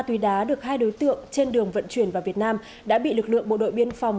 tuy đá được hai đối tượng trên đường vận chuyển vào việt nam đã bị lực lượng bộ đội biên phòng